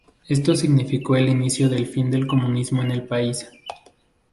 Esto significó el inicio del fin del comunismo en el país.